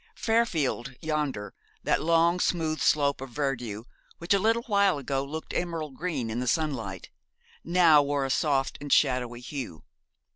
Fairfield yonder, that long smooth slope of verdure which a little while ago looked emerald green in the sunlight, now wore a soft and shadowy hue.